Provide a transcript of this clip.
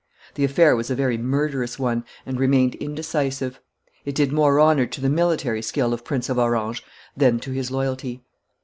The affair was a very murderous one, and remained indecisive: it did more honor to the military skill of the Prince of Orange than to his loyalty.